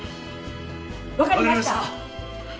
「わかりました」